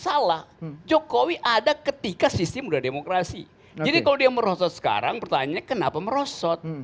salah jokowi ada ketika sistem udah demokrasi jadi kalau dia merosot sekarang pertanyaannya kenapa merosot